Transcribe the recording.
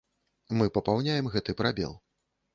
Мы папаўняем гэты прабел.